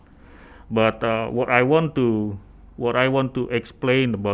apa yang ingin saya jelaskan